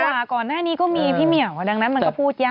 ก่อนหน้านี้ก็มีพี่เหมียวดังนั้นมันก็พูดยาก